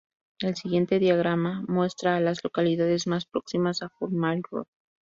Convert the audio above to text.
El siguiente diagrama muestra a las localidades más próximas a Four Mile Road.